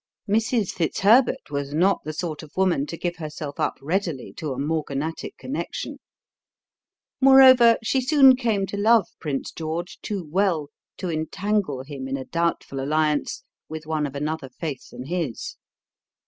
Mrs. Fitzherbert was not the sort of woman to give herself up readily to a morganatic connection. Moreover, she soon came to love Prince George too well to entangle him in a doubtful alliance with one of another faith than his.